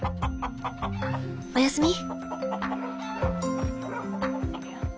おやすみ。